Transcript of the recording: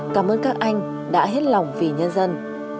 cảm ơn các anh đã hết lòng vì nhân dân